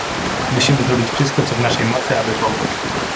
Musimy zrobić wszystko, co w naszej mocy, aby pomóc